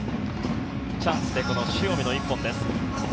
チャンスで塩見の一本です。